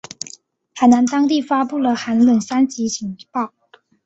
海南当地发布了寒冷三级警报。